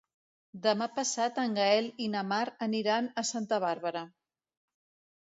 Demà passat en Gaël i na Mar aniran a Santa Bàrbara.